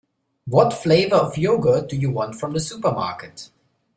What flavour of yoghurt do you want from the supermarket?